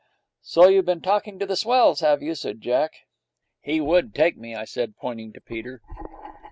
'So you've been talking to the swells, have you?' said Jack. 'He would take me,' I said, pointing to Peter.